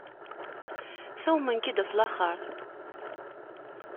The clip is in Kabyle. Sawmen-k-id at laxeṛt.